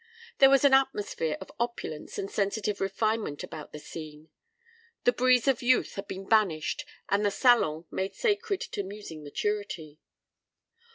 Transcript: There was an atmosphere of opulence and sensitive refinement about the scene. The breeze of youth had been banished and the salon made sacred to musing maturity.